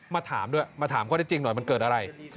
มาถามด้วยมาถามข้อได้จริงหน่อยมันเกิดอะไร